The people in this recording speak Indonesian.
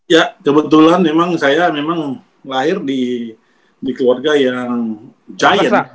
ya kebetulan memang saya lahir di keluarga yang giant